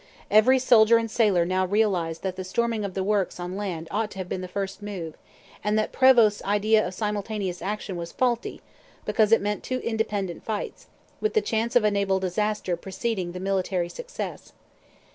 Every soldier and sailor now realized that the storming of the works on land ought to have been the first move, and that Prevost's idea of simultaneous action was faulty, because it meant two independent fights, with the chance of a naval disaster preceding the military success.